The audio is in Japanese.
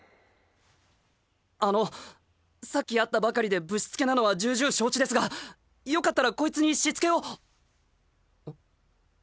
あのっさっき会ったばかりでぶしつけなのは重々承知ですがよかったらこいつにしつけを。